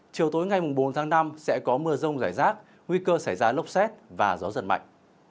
chiều tối ngày bốn tháng năm sẽ có mưa rông rải rác nguy cơ xảy ra lốc xét và gió giật mạnh